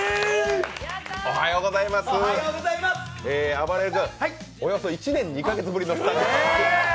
あばれる君、およそ１年２か月ぶりの出演。